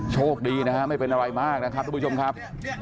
โชคดีนะฮะไม่เป็นอะไรมากนะครับทุกผู้ชมครับ